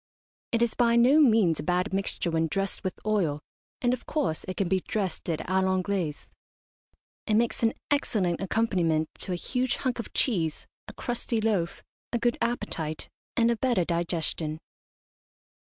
It is by no means a bad mixture when dressed with oil, and, of course, it can be dressed it a l'Anglaise. It makes an excellent accompaniment to a huge hunk of cheese, a crusty loaf, a good appetite, and a better digestion.